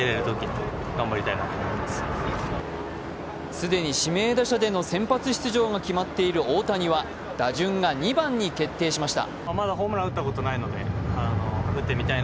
既に指名打者での先発出場が決まっている大谷は打順が２番に決定しました。